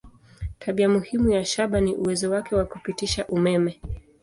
Tabia muhimu ya shaba ni uwezo wake wa kupitisha umeme.